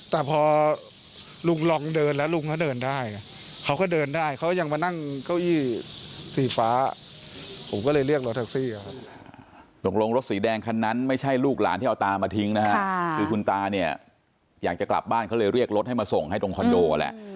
แต่พอลุงลองเดินแล้วลุงก็เดินได้เขาก็เดินได้เขายังมานั่งเก้าอี้สีฟ้าผมก็เลยเรียกรถทักซี่